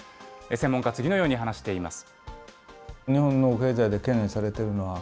専門家は次のように話しています。